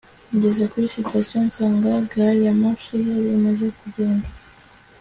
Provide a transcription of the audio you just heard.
ngeze kuri sitasiyo, nsanga gari ya moshi yari imaze kugenda